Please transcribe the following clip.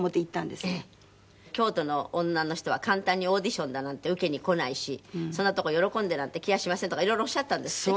「京都の女の人は簡単にオーディションだなんて受けに来ないしそんな所喜んでなんて来やしません」とか色々おっしゃったんですって？